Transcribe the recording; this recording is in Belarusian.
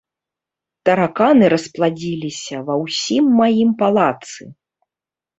Тараканы распладзіліся ва ўсім маім палацы.